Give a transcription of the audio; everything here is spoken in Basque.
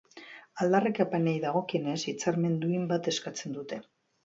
Aldarrikapenei dagokienez, hitzarmen duin bat eskatzen dute.